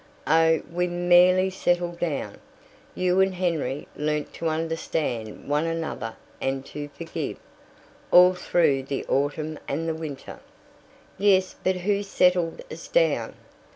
"Oh, we merely settled down. You and Henry learnt to understand one another and to forgive, all through the autumn and the winter." "Yes, but who settled us down?"